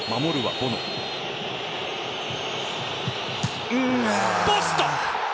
ポスト。